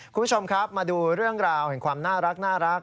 คุณผู้ชมครับมาดูเรื่องราวแห่งความน่ารัก